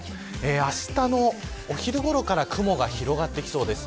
あしたのお昼ごろから雲が広がってきそうです。